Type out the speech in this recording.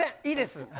いいです。